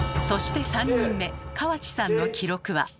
そして３人目川内さんの記録は。